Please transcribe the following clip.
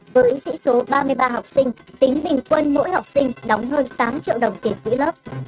với dĩ số ba mươi ba học sinh tính bình quân mỗi học sinh đóng hơn tám triệu đồng kể từ lớp